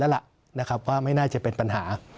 ๗๐๘๐แล้วล่ะว่าไม่น่าจะเป็นปัญหา